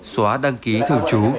xóa đăng ký thường trú